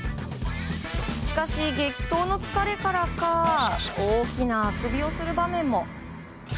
しかし、激闘の疲れからか大きなあくびをする場面も。